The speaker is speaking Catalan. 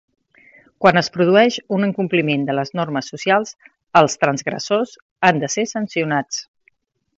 Quan es produeix un incompliment de les normes socials, els transgressors han de ser sancionats.